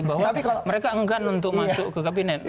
bahwa mereka enggan untuk masuk ke kabinet